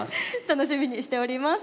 楽しみにしております。